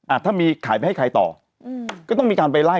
ถ้ามีขายไปให้ใครต่ออืมก็ต้องมีการไปไล่